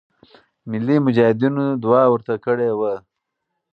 ملی مجاهدینو دعا ورته کړې وه.